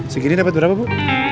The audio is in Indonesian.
segini dapat berapa bu